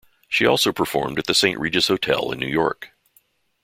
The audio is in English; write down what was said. She also performed at the Saint Regis Hotel in New York.